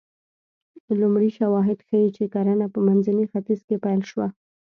لومړي شواهد ښيي چې کرنه په منځني ختیځ کې پیل شوه